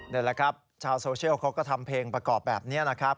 นี่แหละครับชาวโซเชียลเขาก็ทำเพลงประกอบแบบนี้นะครับ